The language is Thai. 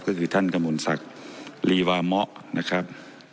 ก็คือท่านกมุญศักดิ์รีวามะนะครับ